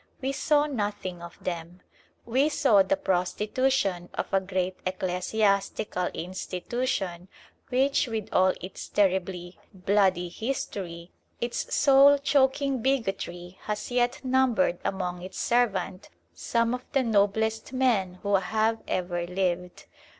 We saw nothing of them. We saw the prostitution of a great ecclesiastical institution, which, with all its terribly bloody history, its soul choking bigotry, has yet numbered among its servants some of the noblest men who have ever lived.